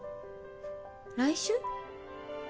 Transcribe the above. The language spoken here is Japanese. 来週？